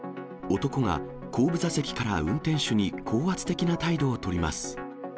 男が後部座席から運転手に高圧的な態度を取ります。